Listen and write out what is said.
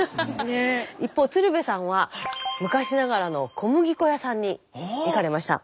一方鶴瓶さんは昔ながらの小麦粉屋さんに行かれました。